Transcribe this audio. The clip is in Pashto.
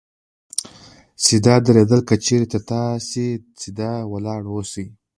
سیده درېدل : که چېرې تاسې سیده ولاړ اوسئ